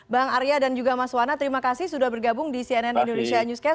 bang arya dan juga mas wana terima kasih sudah bergabung di cnn indonesia newscast